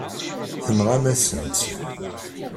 Tenɣam-asen-tt.